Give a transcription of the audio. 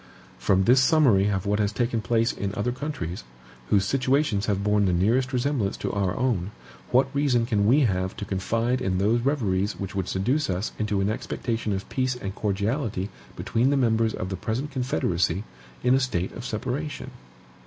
From this summary of what has taken place in other countries, whose situations have borne the nearest resemblance to our own, what reason can we have to confide in those reveries which would seduce us into an expectation of peace and cordiality between the members of the present confederacy, in a state of separation?